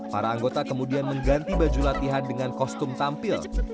para anggota kemudian mengganti baju latihan dengan kostum tampil